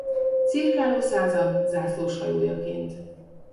Cirkáló Század zászlóshajójaként.